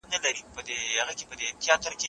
د تاریخ کردارونه سخت مینه وال او مخالفین لري.